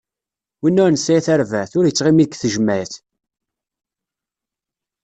Win ur nesɛi tarbaɛt, ur ittɣimi deg tejmaɛit.